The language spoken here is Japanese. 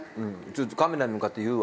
カメラに向かって言うわ。